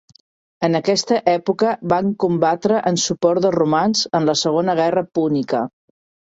En aquesta època van combatre en suport dels romans en la segona guerra púnica.